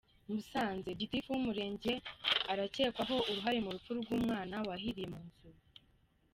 Musanze: Gitifu w’Umurenge arakekwaho uruhare mu rupfu rw’umwana wahiriye mu nzu.